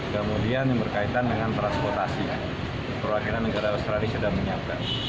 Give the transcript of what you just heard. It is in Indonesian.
kemudian yang berkaitan dengan transportasi perwakilan negara australia sudah menyiapkan